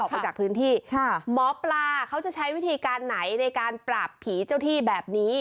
มาจากพื้นที่หมอปลาเขาจะใช้วิธีการไหนในการปราบผีเจ้าที่แบบนี้